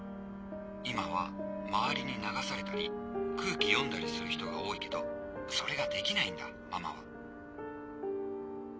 今は周りに流されたり空気読んだりする人が多いけどそれができないんだママは。